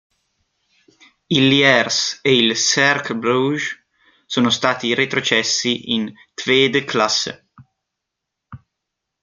Il Lierse e il Cercle Bruges sono stati retrocessi in Tweede klasse.